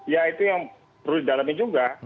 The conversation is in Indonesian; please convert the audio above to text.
ya itu yang perlu didalami juga